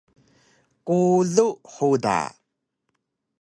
Kulu huda